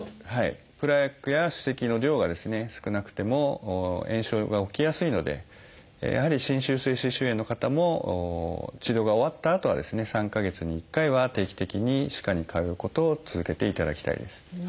プラークや歯石の量が少なくても炎症が起きやすいのでやはり侵襲性歯周炎の方も治療が終わったあとはですね３か月に１回は定期的に歯科に通うことを続けていただきたいです。